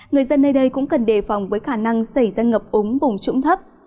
người dân nơi đây cũng cần đề phòng với khả năng xảy ra ngập ống vùng trũng thấp